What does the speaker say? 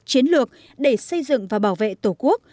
chiến lược để xây dựng và bảo vệ tổ quốc